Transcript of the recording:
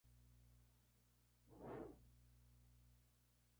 Los habitantes de esta localidad principalmente se dedican a la agricultura y ganadería.